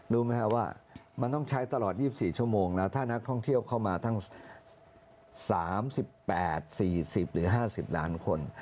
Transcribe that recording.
รู้ไหมครับว่ามันต้องใช้ตลอด๒๔ชั่วโมงนะถ้านักท่องเที่ยวเข้ามาทั้ง๓๘๔๐หรือ๕๐ล้านคน